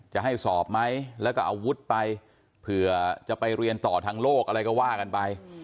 จะให้สอบไหมแล้วก็อาวุธไปเผื่อจะไปเรียนต่อทางโลกอะไรก็ว่ากันไป